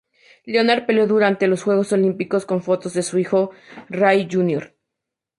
Leonard peleó durante los Juegos Olímpicos con fotos de su hijo Ray jr.